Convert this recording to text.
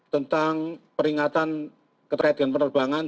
tentang peringatan ketahuan dengan penerbangan